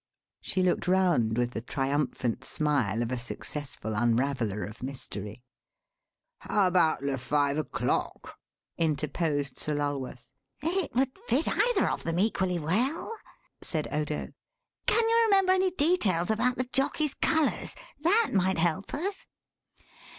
She looked round with the triumphant smile of a successful unraveller of mystery. "How about Le Five O'Clock?" interposed Sir Lulworth. "It would fit either of them equally well," said Odo; "can you remember any details about the jockey's colours? That might help us."